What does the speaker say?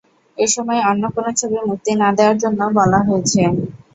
এ সময় অন্য কোনো ছবি মুক্তি না দেওয়ার জন্য বলা হয়েছে।